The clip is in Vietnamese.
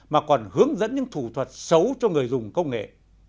mà còn hướng dẫn những thủ thuật xấu cho người dùng công nghệ